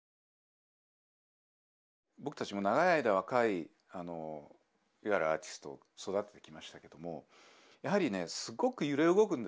僕たちも長い間若いいわゆるアーティストを育ててきましたけどもやはりねすごく揺れ動くんですよ。